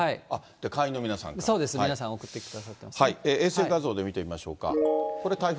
そうです、皆さん、送ってき衛星画像で見てみましょうか。